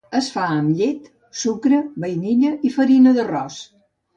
Es fa amb llet, sucre, vainilla i farina d'arròs.